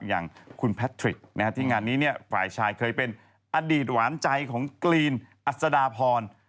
อย่างคุณแพทริกที่งานนี้ฝ่ายชายเคยเป็นอดีตหวานใจของกรีนอัศดาพร